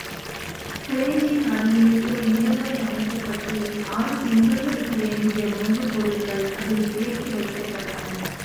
கிரேஞ்சின் அடியில் ஒரு நிலவறை அமைக்கப்பட்டு, ஆறு திங்கள்களுக்கு வேண்டிய உணவுப் பொருள்கள் அதில் சேர்த்து வைக்கப்பட்டன.